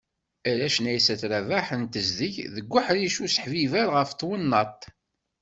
Arraz n Aysat Rabaḥ n tezdeg deg uḥric n useḥbiber ɣef twennaḍt.